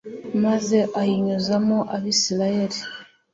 maze ayinyuzamo abayisraheli